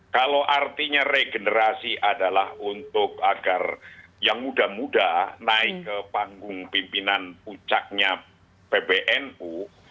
kalau artinya regenerasi adalah untuk agar yang muda muda naik ke panggung pimpinan pucaknya pbnu